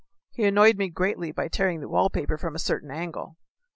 He annoyed me greatly by tearing the wall paper from a certain angle.